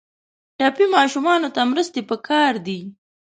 ټپي ماشومانو ته مرستې پکار دي.